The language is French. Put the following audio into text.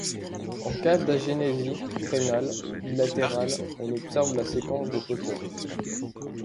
En cas d'agénésie rénale bilatérale, on observe la séquence de Potter.